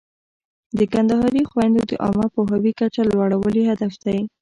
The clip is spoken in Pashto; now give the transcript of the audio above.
د کندهاري خویندو د عامه پوهاوي کچه لوړول یې هدف دی.